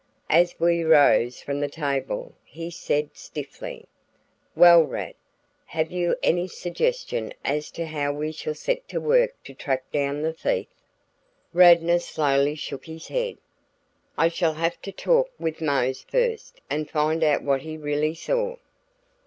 As we rose from the table he said stiffly: "Well, Rad, have you any suggestion as to how we shall set to work to track down the thief?" Radnor slowly shook his head. "I shall have to talk with Mose first and find out what he really saw."